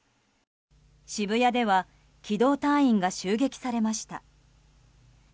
渋谷では機動隊員が襲撃されました。